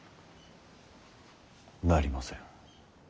なりません。